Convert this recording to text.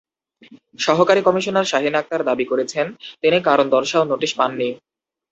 সহকারী কমিশনার শাহীন আকতার দাবি করেছেন, তিনি কারণ দর্শাও নোটিশ পাননি।